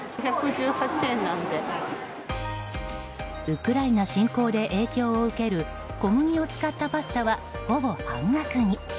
ウクライナ侵攻で影響を受ける小麦を使ったパスタはほぼ半額に。